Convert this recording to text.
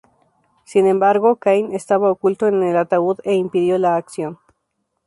Sin embargo, Kane estaba oculto en el ataúd e impidió la acción.